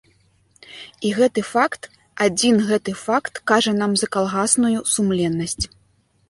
І гэты факт, адзін гэты факт кажа нам за калгасную сумленнасць.